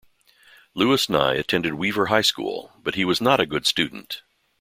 Louis Nye attended Weaver High School, but he was not a good student.